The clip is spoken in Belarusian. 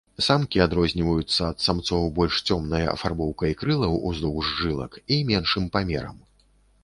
Самкі адрозніваюцца ад самцоў больш цёмнай афарбоўкай крылаў ўздоўж жылак і меншым памерам.